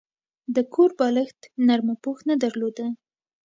د کور بالښت نرمه پوښ نه درلوده.